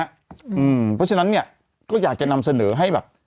เพราะฉะนั้นเนี่ยก็อยากจะนำเสนอให้แบบ